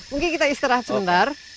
mungkin kita istirahat sebentar